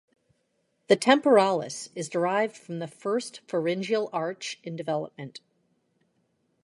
The temporalis is derived from the first pharyngeal arch in development.